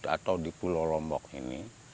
atau di pulau lombok ini